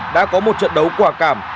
đã có một trận đấu quả cảm